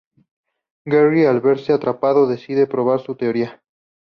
Gerry, al verse atrapado, decide probar su teoría.